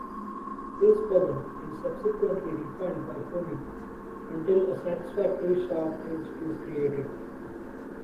This bevel is subsequently refined by honing until a satisfactorily sharp edge is created.